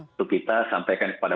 untuk kita sampaikan kepada